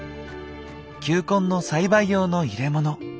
球根の栽培用の入れ物。